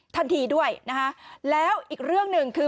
ทันทีด้วยนะคะแล้วอีกเรื่องหนึ่งคือ